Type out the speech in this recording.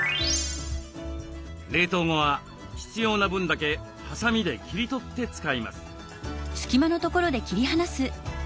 冷凍後は必要な分だけハサミで切り取って使います。